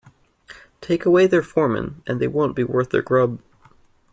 Take away their foreman and they wouldn't be worth their grub.